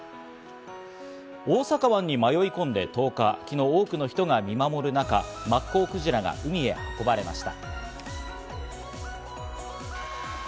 大阪湾に迷い込んで１０日、昨日多くの人が見守る中、マッコウクジラが海へ運ばれました。